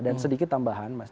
dan sedikit tambahan mas